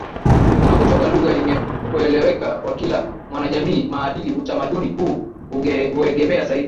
na kutoa lugha yenye kueleweka kwa kila mwanajamii Maadili Utamaduni huu huegemea zaidi